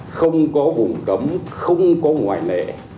không có vùng cấm không có ngoại nệ